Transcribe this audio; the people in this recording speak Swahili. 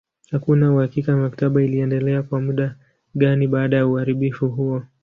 Hakuna uhakika maktaba iliendelea kwa muda gani baada ya uharibifu huo.